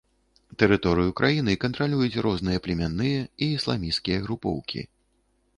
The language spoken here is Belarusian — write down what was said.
Тэрыторыю краіны кантралююць розныя племянныя і ісламісцкія групоўкі.